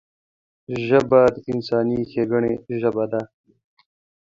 ژبه د انساني ښیګڼې ژبه ده